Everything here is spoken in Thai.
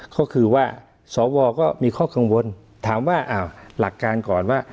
ก็คือว่าสวก็มีข้อกังวลถามว่าอ้าวหลักการก่อนว่า